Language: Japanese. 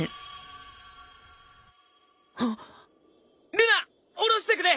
ルナおろしてくれ！